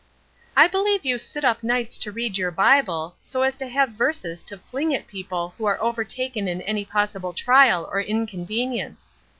"I believe you sit up nights to read your Bible, so as to have verses to fling at people who are overtaken in any possible trial or inconvenience.